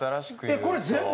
えこれ全部！？